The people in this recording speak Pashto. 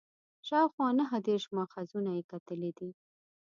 شاوخوا نهه دېرش ماخذونه یې کتلي دي.